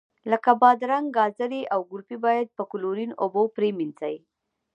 لکه بادرنګ، ګازرې او ګلپي باید په کلورین اوبو پرېمنځئ.